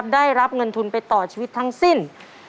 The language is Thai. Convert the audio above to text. ได้รับเงินทุนไปต่อชีวิตทั้งสิ้น